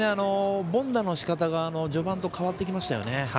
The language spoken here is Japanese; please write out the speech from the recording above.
凡打のしかたが序盤と変わってきましたよね。